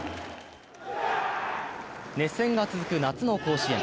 熱戦が続く夏の甲子園。